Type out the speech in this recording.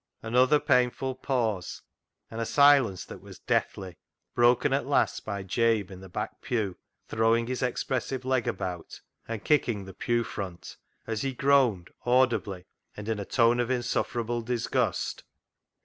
Another painful pause and a silence that was deathly, broken at last by Jabe in the back pew throwing his expressive leg about, and kicking the pew front as he groaned audibly, and in a tone of insufferable disgust.